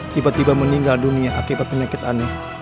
tiba tiba meninggal dunia akibat penyakit aneh